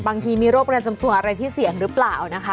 บางทีมีโรคประจำตัวอะไรที่เสี่ยงหรือเปล่านะคะ